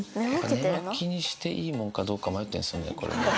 寝巻きにしていいものか、どうか迷ってるんですよね、これね。